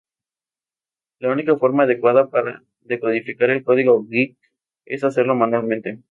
La única forma adecuada para decodificar el código geek es hacerlo manualmente.